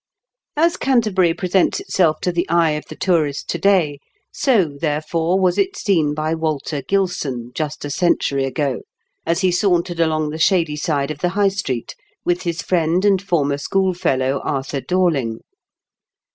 As Canterbury presents itself to the eye of the tourist to day, so, therefore, was it seen by Walter Gilson just a century ago, as he sauntered along the shady side of the High Street with his friend and former school fellow, Arthur Dorling.